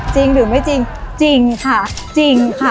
จริงหรือไม่จริงจริงค่ะจริงค่ะ